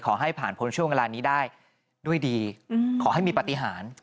ขอให้ผ่านพ้นช่วงเวลานี้ได้ด้วยดีขอให้มีปฏิหาร